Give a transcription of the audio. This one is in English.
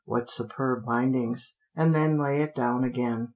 what superb bindings!" and then lay it down again.